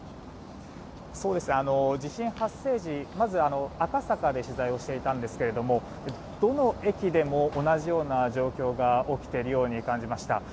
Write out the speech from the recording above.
地震発生時まず赤坂で取材していたんですがどの駅でも同じような状況が起きているように感じました。